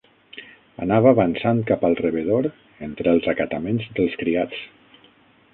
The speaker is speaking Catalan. Anava avançant cap al rebedor entre els acataments dels criats